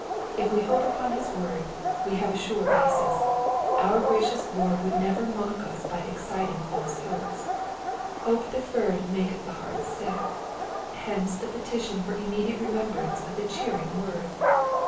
If we hope upon his word we have a sure basis : our gracious Lord would never mock us by exciting false hopes. Hope deferred maketh the heart sick, hence the petition for immediate remembrance of the cheering word.